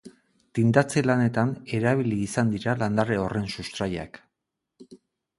Tindatze-lanetan erabili izan dira landare horren sustraiak.